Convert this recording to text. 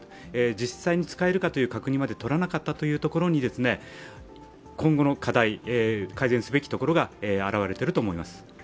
実際に使えるかという確認までとらなかったというところに今後の課題、改善すべきところが表れていると思います。